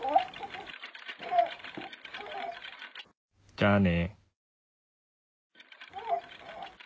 じゃあね。